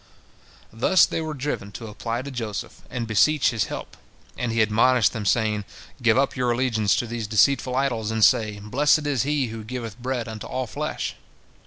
Thus they were driven to apply to Joseph and beseech his help, and he admonished them, saying, "Give up your allegiance to your deceitful idols, and say, Blessed is He who giveth bread unto all flesh."